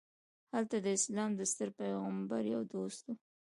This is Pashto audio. هلته د اسلام د ستر پیغمبر یو دوست و.